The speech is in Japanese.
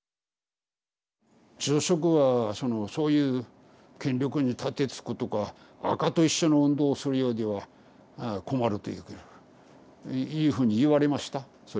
住職はそのそういう権力に盾つくとかアカと一緒の運動をするようでは困るといういうふうに言われましたそれは。